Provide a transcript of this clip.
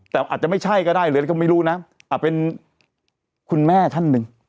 แต่อาจจะไม่ใช่ก็ได้หรือก็ไม่รู้นะเป็นคุณแม่ท่านหนึ่ง